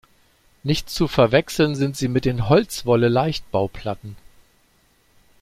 Nicht zu verwechseln sind sie mit den Holzwolle-Leichtbauplatten.